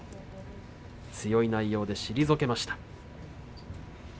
強い内容で退けました。